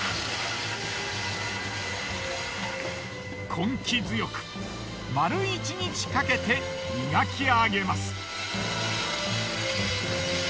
根気強くまる１日かけて磨きあげます。